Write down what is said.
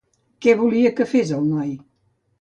Què volia que fes el noi?